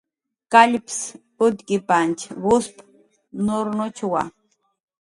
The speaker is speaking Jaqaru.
Kallps utkipanch gusp nurnuchwa